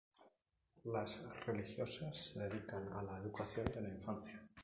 Las religiosas se dedican a la educación de la infancia.